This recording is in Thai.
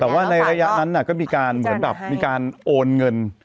แต่ว่าในระยะนั้นก็มีการโอนเงิน